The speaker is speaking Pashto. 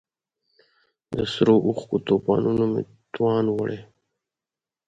د سرو اوښکو توپانونو مې توان وړی